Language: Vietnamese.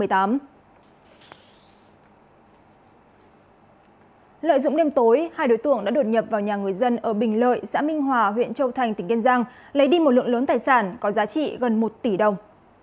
lợi dụng đêm tối hai đối tượng đã đột nhập vào nhà người dân ở bình lợi xã minh hòa huyện châu thành tỉnh kiên giang lấy đi một lượng lớn tài sản có giá trị gần một tỷ đồng